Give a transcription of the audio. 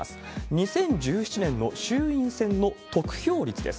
２０１７年の衆院選の得票率です。